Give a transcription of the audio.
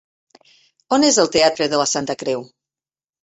On és el teatre de la Santa Creu?